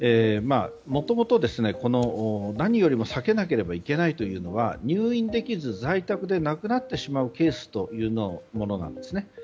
もともと、何よりも避けなければいけないのは入院できず在宅で亡くなってしまうケースなんですね。